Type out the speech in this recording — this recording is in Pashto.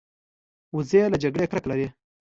وزې له جګړو کرکه لري